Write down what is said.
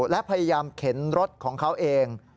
และพยายามเข็นรถของเขาเอง